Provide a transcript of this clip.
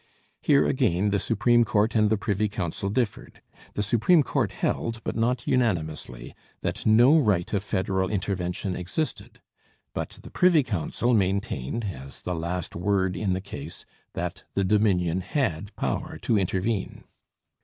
Here again the Supreme Court and the Privy Council differed. The Supreme Court held, but not unanimously, that no right of federal intervention existed; but the Privy Council maintained, as the last word in the case, that the Dominion had power to intervene.